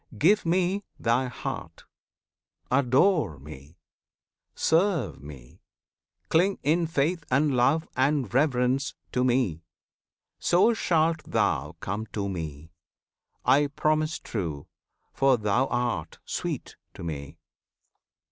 Give Me thy heart! adore Me! serve Me! cling In faith and love and reverence to Me! So shalt thou come to Me! I promise true, For thou art sweet to Me!